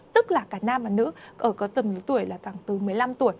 tức là cả nam và nữ ở tầm lứa tuổi là khoảng từ một mươi năm tuổi